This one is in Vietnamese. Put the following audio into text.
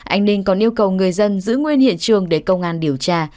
anh ninh còn yêu cầu người dân giữ nguyên hiện trường để công an điều tra